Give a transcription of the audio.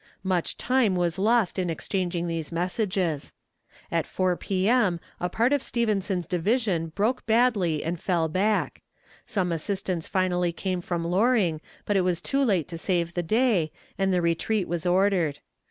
Much time was lost in exchanging these messages. At 4 P.M. a part of Stevenson's division broke badly and fell back. Some assistance finally came from Loring, but it was too late to save the day, and the retreat was ordered.